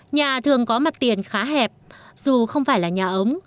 nhà thường có mặt tiền khá hẹp dù không phải là nhà ống